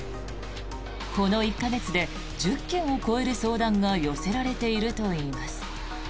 この１か月で１０件を超える相談が寄せられているといいます。